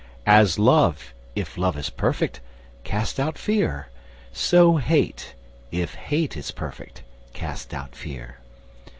As Love, if Love is perfect, casts out fear, So Hate, if Hate is perfect, casts out fear.